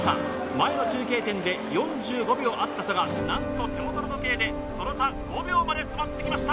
前の中継点で４５秒あった差が何と手元の時計でその差５秒まで詰まってきました